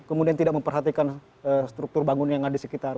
kemudian tidak memperhatikan struktur bangun yang ada di sekitar